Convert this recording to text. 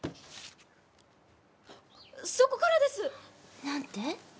そこからです！なんて？